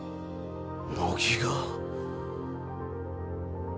乃木が？